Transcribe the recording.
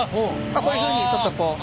こういうふうにちょっとこう。